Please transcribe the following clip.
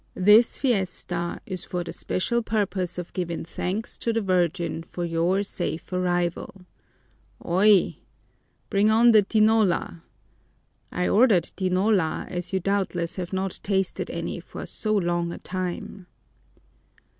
"This fiesta is for the special purpose of giving thanks to the Virgin for your safe arrival. Oy! Bring on the tinola! I ordered tinola as you doubtless have not tasted any for so long a time."